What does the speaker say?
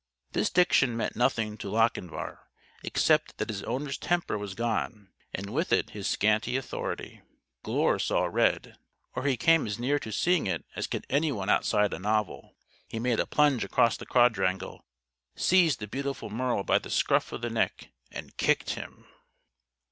This diction meant nothing to Lochinvar, except that his owner's temper was gone and with it his scanty authority. Glure saw red or he came as near to seeing it as can anyone outside a novel. He made a plunge across the quadrangle, seized the beautiful Merle by the scruff of the neck and kicked him.